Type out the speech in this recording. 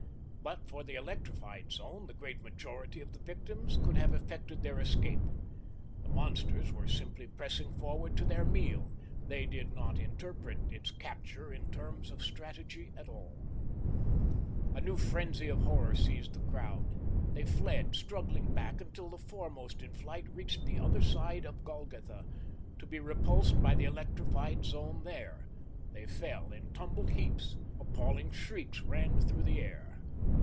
But for the electrified zone, the great majority of the victims could have effected their escape. The monsters were simply pressing forward to their meal; they did not interpret its capture in terms of strategy at all. A new frenzy of horror seized the crowd. They fled, struggling back until the foremost in flight reached the other side of Golgotha, to be repulsed by the electrified zone there. They fell in tumbled heaps. Appalling shrieks rang through the air.